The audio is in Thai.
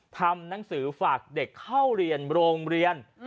ทำหนังสือฝากเด็กเข้าเรียนโรงเรียน